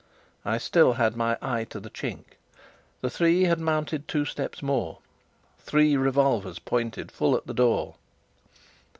I still had my eye to the chink. The three had mounted two steps more; three revolvers pointed full at the door.